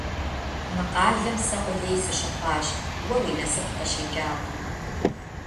Мы къалэм сэ къулей сыщыхъуащ, уэ уи насып къыщикӏакъым.